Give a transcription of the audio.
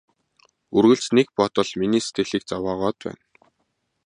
Үргэлж нэг бодол миний сэтгэлийг зовоогоод байна.